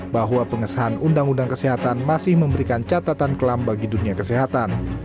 bahwa pengesahan undang undang kesehatan masih memberikan catatan kelam bagi dunia kesehatan